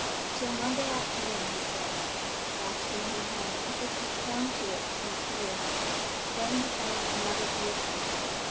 'Till Monday afternoon,' he said, grasping her hand as if he clung to it in fear. Then he found another vehicle.